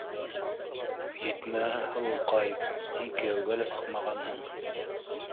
Етмәһә, һылыуҡай, һин кейәүгә лә сыҡмағанһың.